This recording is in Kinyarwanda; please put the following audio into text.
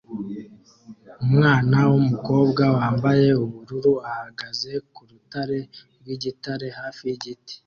Umwana wumukobwa wambaye ubururu ahagaze kurukuta rwigitare hafi yigiti